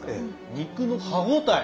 肉の歯応え。